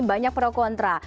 banyak pro kontra